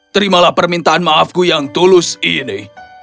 terimalah permintaan maafku yang tulus ini